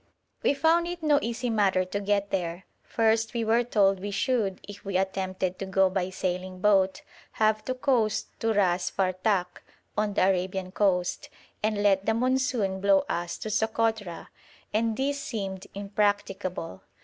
We found it no easy matter to get there. First we were told we should, if we attempted to go by sailing boat, have to coast to Ras Fartak, on the Arabian coast, and let the monsoon blow us to Sokotra, and this seemed impracticable.